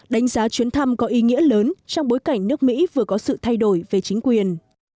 đánh giá chuyến thăm có ý nghĩa lớn trong bối cảnh nước mỹ vừa có sự thay đổi về chính quyền